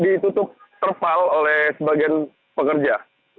ditutup terpal oleh sebagian pekerja